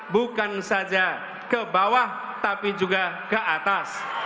bukan saja ke bawah tapi juga ke atas